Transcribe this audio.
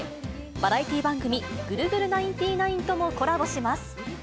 バラエティー番組、ぐるぐるナインティナインともコラボします。